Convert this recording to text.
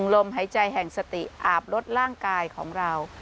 ลมหายใจแห่งสติอาบลดร่างกายของเรา